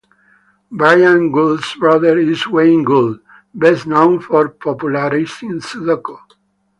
Bryan Gould's brother is Wayne Gould, best known for popularising Sudoku.